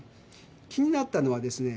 気になったのはですね